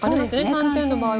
寒天の場合はね。